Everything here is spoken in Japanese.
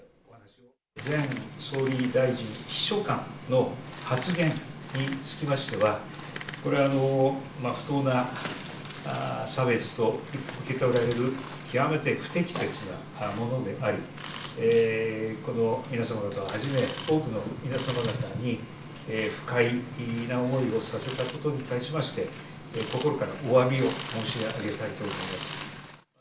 前総理大臣秘書官の発言につきましては、これは不当な差別と受け取られる、極めて不適切なものであり、皆様方をはじめ、多くの皆様方に、不快な思いをさせたことに対しまして、心からおわびを申し上げたいと思います。